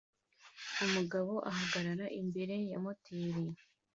Umugabo ahagarara imbere ya moteri